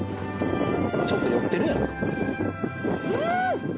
ちょっと酔ってるやろうーん！